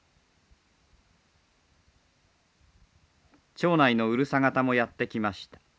町内のうるさ型もやって来ました。